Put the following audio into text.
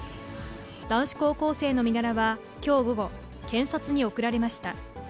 男子高校生の身柄はきょう午後、検察に送られました。